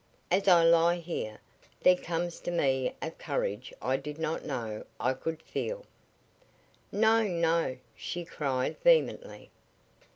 As I lie here, there comes to me a courage I did not know I could feel." "No, no!" she cried, vehemently.